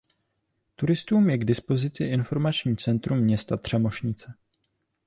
Turistům je k dispozici informační centrum města Třemošnice.